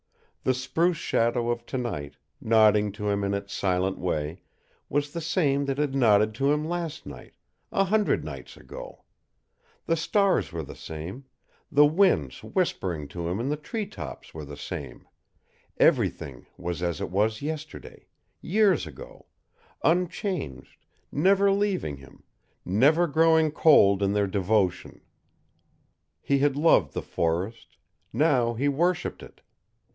The spruce shadow of to night, nodding to him in its silent way, was the same that had nodded to him last night a hundred nights ago; the stars were the same, the winds whispering to him in the tree tops were the same, everything was as it was yesterday years ago unchanged, never leaving him, never growing cold in their devotion. He had loved the forest NOW he worshipped it.